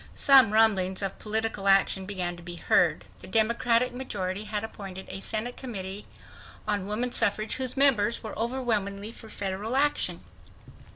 Some rumblings of political action began to be heard. The Democratic majority had appointed a Senate Committee on Woman Suffrage whose members were overwhelmingly for federal action.